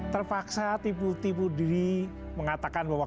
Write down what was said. terpaksa tipu tipu diri mengatakan bahwa